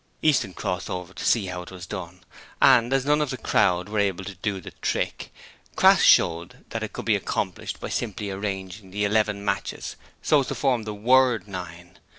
Easton crossed over to see how it was done, and as none of the crowd were able to do the trick, Crass showed that it could be accomplished by simply arranging the eleven matches so as to form the word NINE.